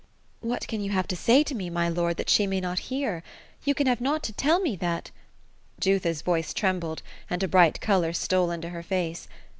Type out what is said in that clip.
*^ What can you have to say to me, my lord, that she may not hear? You can have naught to tell me, that" Jutha's voice trembled, and a bright color stole into her face.